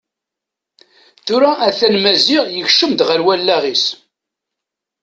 Tura a-t-an Maziɣ yekcem-d ɣer wallaɣ-is.